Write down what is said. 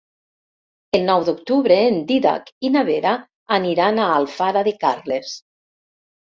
El nou d'octubre en Dídac i na Vera aniran a Alfara de Carles.